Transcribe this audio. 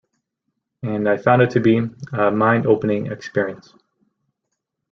And I found it to be a mind-opening experience.